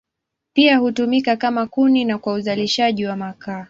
Pia hutumika kama kuni na kwa uzalishaji wa makaa.